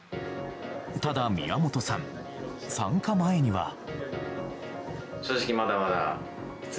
ただ宮本さん、参加前には。